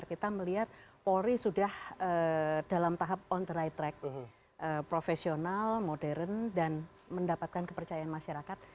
kita melihat polri sudah dalam tahap on the right track profesional modern dan mendapatkan kepercayaan masyarakat